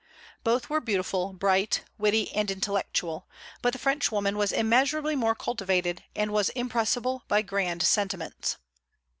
Both were beautiful, bright, witty, and intellectual; but the Frenchwoman was immeasurably more cultivated, and was impressible by grand sentiments.